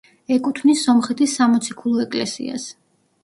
ეკუთვნის სომხეთის სამოციქულო ეკლესიას.